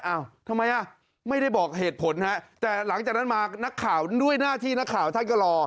อ้าวทำไมอ่ะไม่ได้บอกเหตุผลฮะแต่หลังจากนั้นมานักข่าวด้วยหน้าที่นักข่าวท่านก็รอ